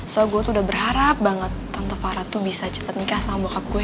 soalnya gue tuh udah berharap banget tante faratu bisa cepat nikah sama bokap gue